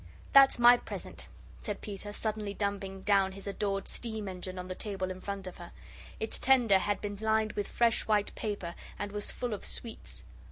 "That's my present," said Peter, suddenly dumping down his adored steam engine on the table in front of her. Its tender had been lined with fresh white paper, and was full of sweets.